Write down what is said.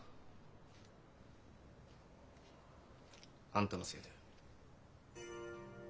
あんたのせいだよ。